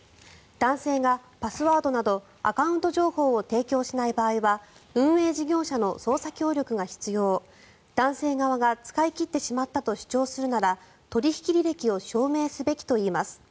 男性がパスワードなどアカウント情報を提供しない場合は運営事業者の捜査協力が必要男性側が使い切ってしまったと主張するなら取引履歴を証明すべきといいます。